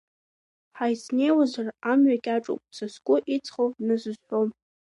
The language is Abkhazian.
Ҳаицнеиуазар амҩа кьаҿуп, са сгәы иҵхо насызҳәом.